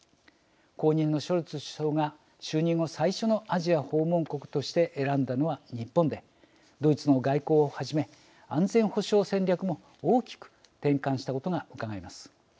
後任のショルツ首相が就任後最初のアジア訪問国として選んだのは日本でドイツの外交をはじめ安全保障戦略も大きく転換したことがうかがえます。